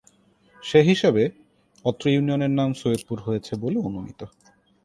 সে হিসাবে অত্র ইউনিয়নের নাম 'সৈয়দপুর' হয়েছে বলে অনুমিত।